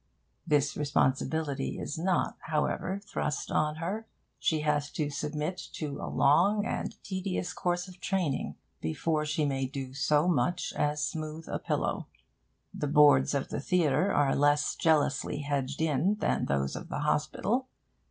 This responsibility is not, however, thrust on her. She has to submit to a long and tedious course of training before she may do so much as smooth a pillow. The boards of the theatre are less jealously hedged in than those of the hospital.